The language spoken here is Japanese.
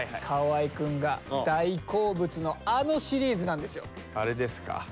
河合くんが大好物のあのシリーズなんですよあれですか。